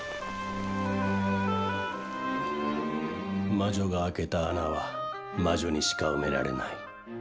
魔女が開けた穴は魔女にしか埋められない。